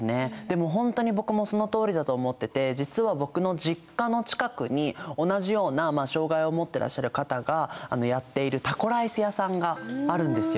でもほんとに僕もそのとおりだと思ってて実は僕の実家の近くに同じような障がいを持ってらっしゃる方がやっているタコライス屋さんがあるんですよ。